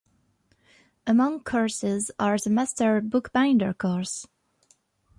Among courses are the Master Bookbinder course.